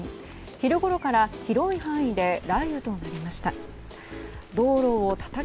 昼ごろから広い範囲で雷雨となりました。